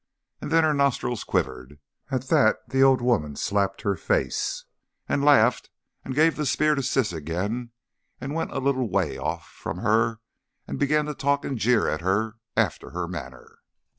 And then her nostrils quivered. At that the old woman slapped her face and laughed and gave the spear to Siss again, and went a little way off from her and began to talk and jeer at her after her manner.